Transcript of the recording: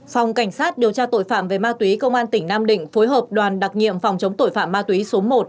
phòng cảnh sát điều tra tội phạm về ma túy công an tỉnh nam định phối hợp đoàn đặc nhiệm phòng chống tội phạm ma túy số một